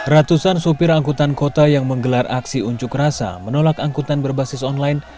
ratusan sopir angkutan kota yang menggelar aksi unjuk rasa menolak angkutan berbasis online